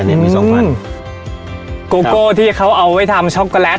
นี่มีสองวันโกโก้ที่เขาเอาไว้ทำช็อกโกแลต